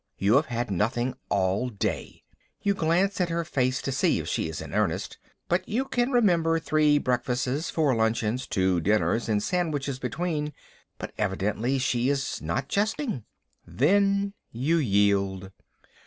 You have had nothing all day." You glance at her face to see if she is in earnest, for you can remember three breakfasts, four luncheons, two dinners, and sandwiches between; but evidently she is not jesting. Then you yield.